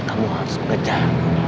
kamu harus kejar